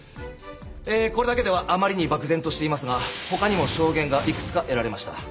えこれだけではあまりに漠然としていますが他にも証言がいくつか得られました。